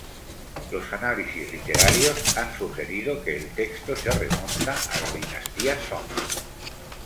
Los análisis literarios han sugerido que el texto se remonta a la dinastía Song.